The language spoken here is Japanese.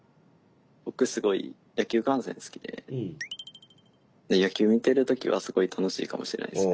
僕すごい野球観戦好きで野球見てる時はすごい楽しいかもしれないですね。